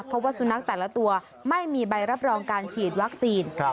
เพราะว่าสุนัขแต่ละตัวไม่มีใบรับรองการฉีดวัคซีน